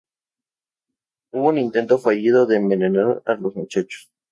Hubo un intento fallido de envenenar a los muchachos.